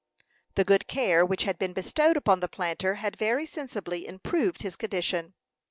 The good care which had been bestowed upon the planter had very sensibly improved his condition.